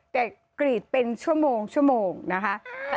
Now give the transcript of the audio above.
แต่กรีดเป็นชั่วโมงชั่วโมงนะคะ